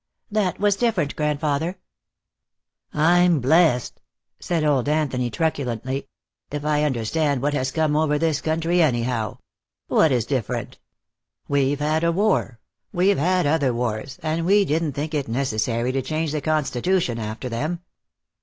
"That was different, grandfather." "I'm blessed," said old Anthony, truculently, "if I understand what has come over this country, anyhow. What is different? We've had a war. We've had other wars, and we didn't think it necessary to change the Constitution after them.